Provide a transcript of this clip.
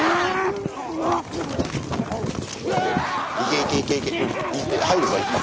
いけいけいけいけ入るぞ一発。